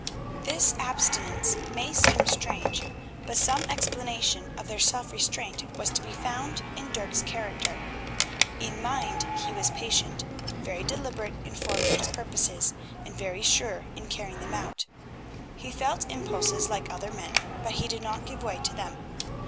This abstinence may seem strange, but some explanation of their self restraint was to be found in Dirk's character. In mind he was patient, very deliberate in forming his purposes, and very sure in carrying them out. He felt impulses like other men, but he did not give way to them.